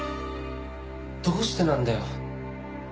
どうしてなんだよ。